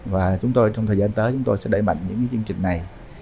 và chúng tôi trong thời gian tới chúng tôi sẽ đẩy mạnh những chương trình này